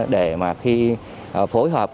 để mà khi phối hợp